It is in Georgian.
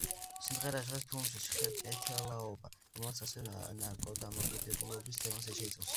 სიმღერა ჟღერს ფილმში „ჩხერკეთელაობა“, რომელიც ასევე ნარკოდამოკიდებულების თემას შეიცავს.